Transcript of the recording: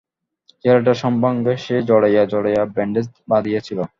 ছেলেটার সর্বাঙ্গে সে জড়াইয়া জড়াইয়া ব্যান্ডেজ বাধিয়াছিল।